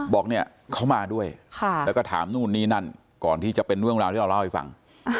บอกเนี่ยเขามาด้วยแล้วก็ถามนู่นนี่นั่นก่อนที่จะเป็นเรื่องราวที่เราเล่าให้ฟัง